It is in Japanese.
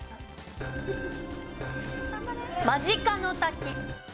間近の滝。